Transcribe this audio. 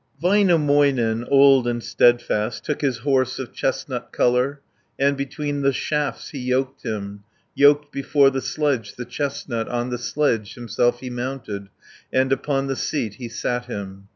Väinämöinen, old and steadfast, Took his horse of chestnut colour, And between the shafts he yoked him, Yoked before the sledge the chestnut, On the sledge himself he mounted, And upon the seat he sat him.